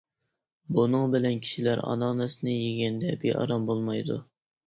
بۇنىڭ بىلەن كىشىلەر ئاناناسنى يېگەندە بىئارام بولمايدۇ.